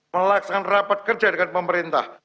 melaksanakan rapat kerja dengan pemerintah